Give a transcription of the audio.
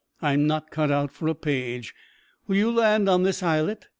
I'm not cut out for a page. Will you land on this islet?"